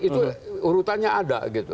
itu urutannya ada gitu